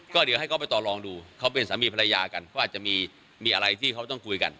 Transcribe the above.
ก็เดี๋ยวให้เขาไปต่อลองดูเขาเป็นสามีภรรยากันเขาอาจจะมีอะไรที่เขาต้องคุยกัน